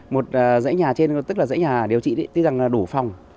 một dãy nhà trên tức là dãy nhà điều trị tức là đủ phòng